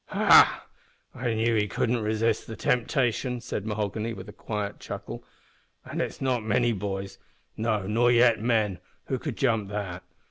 "Ha! I knowed he couldn't resist the temptation," said Mahoghany, with a quiet chuckle, "an' it's not many boys no, nor yet men who could jump that.